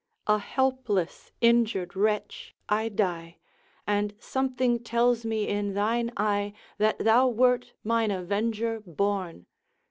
A helpless injured wretch I die, And something tells me in thine eye That thou wert mine avenger born.